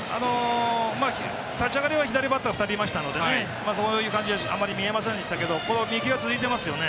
立ち上がりは左バッター２人いましたのでそういう感じはあまり見えませんでしたけど右が続いてますよね。